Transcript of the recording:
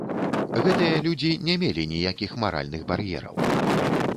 Гэтыя людзі не мелі ніякіх маральных бар'ераў.